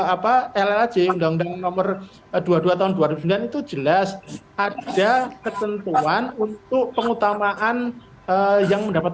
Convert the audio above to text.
apa llj undang undang nomor dua puluh dua tahun dua ribu sembilan itu jelas ada ketentuan untuk pengutamaan yang mendapat